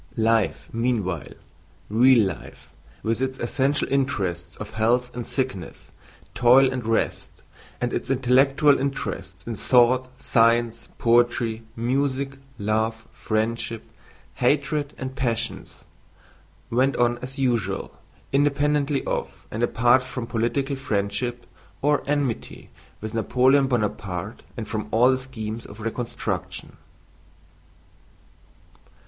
Life meanwhile—real life, with its essential interests of health and sickness, toil and rest, and its intellectual interests in thought, science, poetry, music, love, friendship, hatred, and passions—went on as usual, independently of and apart from political friendship or enmity with Napoleon Bonaparte and from all the schemes of reconstruction.